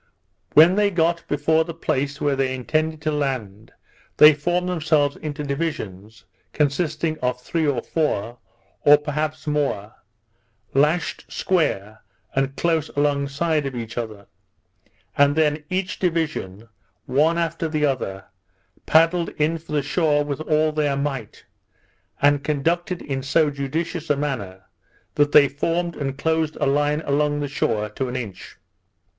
When they got before the place where they intended to land, they formed themselves into divisions, consisting of three or four, or perhaps more, lashed square and close along side of each other; and then each division, one after the other, paddled in for the shore with all their might, and conducted in so judicious a manner, that they formed and closed a line along, the shore, to an inch.